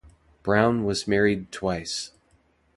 Brown was married twice.